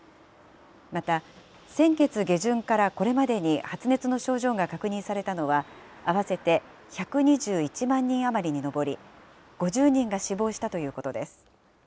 また、先月下旬からこれまでに発熱の症状が確認されたのは、合わせて１２１万人余りに上り、５０人が死亡したということです。